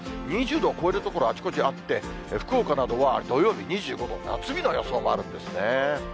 ２０度を超える所、あちこちあって、福岡などは土曜日、２５度、夏日の予想もあるんですね。